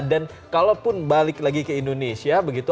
dan kalaupun balik lagi ke indonesia begitu